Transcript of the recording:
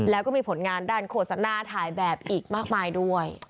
แล้วก็มีผลงานด้านโฆษณาถ่ายแบบอีกมากมายด้วย